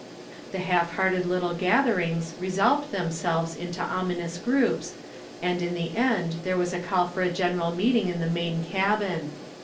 The half hearted little gatherings resolved themselves into ominous groups and in the end there was a call for a general meeting in the main cabin.